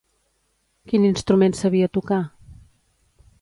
Quin instrument sabia tocar?